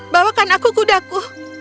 bawakan aku kudaku